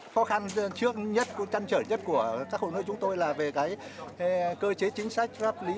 khó khăn trước nhất cũng trăn trở nhất của các hội nuôi chúng tôi là về cơ chế chính sách pháp lý